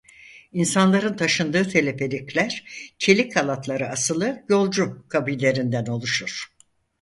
İnsanların taşındığı teleferikler çelik halatlara asılı yolcu kabinlerinden oluşur.